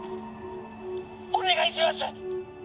お願いします！